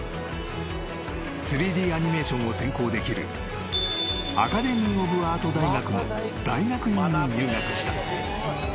［３Ｄアニメーションを専攻できるアカデミー・オブ・アート大学の大学院に入学した］